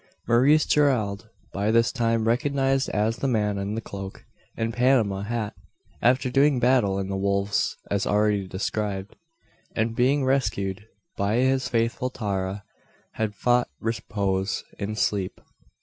Maurice Gerald by this time recognised as the man in the cloak and Panama hat after doing battle with the wolves, as already described, and being rescued by his faithful Tara, had fought repose in sleep.